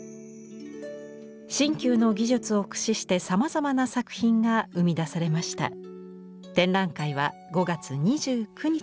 新旧の技術を駆使してさまざまな作品が生み出されました。